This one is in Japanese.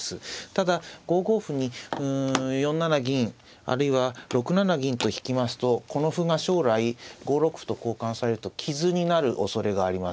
ただ５五歩に４七銀あるいは６七銀と引きますとこの歩が将来５六歩と交換されると傷になるおそれがあります。